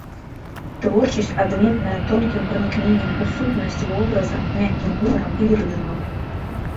Творчасць адметная тонкім пранікненнем у сутнасць вобраза, мяккім гумарам і лірызмам.